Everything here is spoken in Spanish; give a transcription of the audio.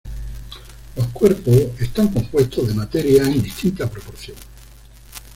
Los cuerpos están compuestos de materia en distinta proporción.